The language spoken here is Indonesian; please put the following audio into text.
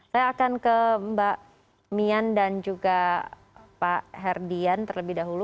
saya akan ke mbak mian dan juga pak herdian terlebih dahulu